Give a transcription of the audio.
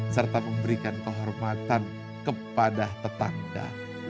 serta memberikan kehormatan kepada tetangga